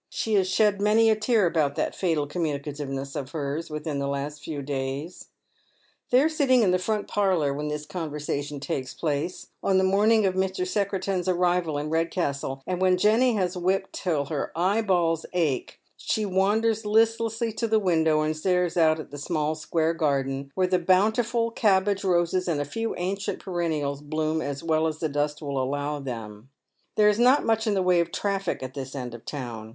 She has shed many a tear about that fatal com tiunicativeness of hers within the last few days. They are sitting in the fiont parlour when this conversation itikes place, on the morning of Mi\ Secretan's arrival in Red castle, and when Jenny has wept till her eyeballs ache, she wanders listlessly to the window, and stares out at the small square garden, where the bountiful cabbage roses and a few ancient perennials bloom as well as the dust will allow them. There is not much in the way of traffic at this end of the town.